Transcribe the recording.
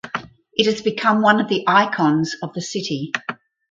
It has become one of the icons of the city.